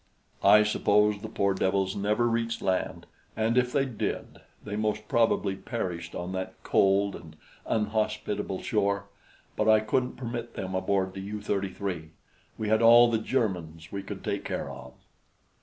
I suppose the poor devils never reached land, and if they did, they most probably perished on that cold and unhospitable shore; but I couldn't permit them aboard the U 33. We had all the Germans we could take care of.